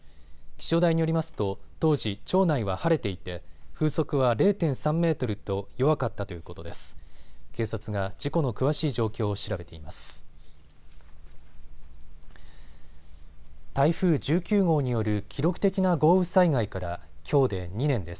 気象台によりますと当時、町内は晴れていて風速は０．３メートルと弱かったということです。